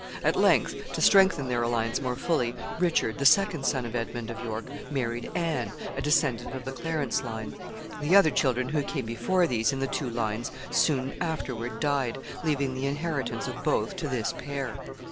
At length, to strengthen their alliance more fully, Richard, the second son of Edmund of York, married Anne, a descendant of the Clarence line. The other children, who came before these, in the two lines, soon afterward died, leaving the inheritance of both to this pair.